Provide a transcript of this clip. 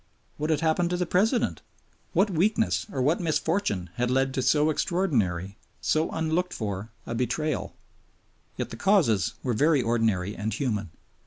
What had happened to the President? What weakness or what misfortune had led to so extraordinary, so unlooked for a betrayal? Yet the causes were very ordinary and human.